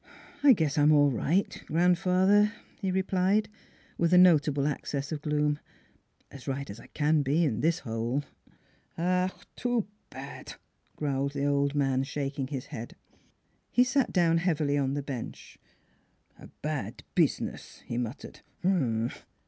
I guess I'm all right, grandfather," he replied, with a notable access of gloom, " as right as I can be in this hole." " Ach ! too pad," growled the old man, shaking his head. He sat down heavily on the bench. " A pad pizniz," he muttered.